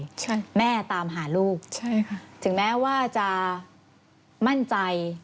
ใช่ค่ะคุณแม่ตามหาลูกถึงแม่ว่าจะมั่นใจ